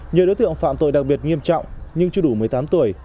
nhiều đối tượng phạm tội đặc biệt nghiêm trọng nhưng chưa đủ một mươi tám tuổi